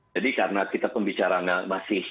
jadi karena kita pembicaraan masih